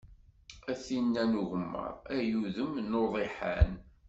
A tinn-a n ugemmaḍ, ay udem n uḍiḥan.